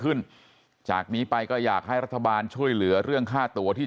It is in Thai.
ขึ้นจากนี้ไปก็อยากให้รัฐบาลช่วยเหลือเรื่องค่าตัวที่